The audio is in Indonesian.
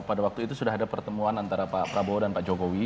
pada waktu itu sudah ada pertemuan antara pak prabowo dan pak jokowi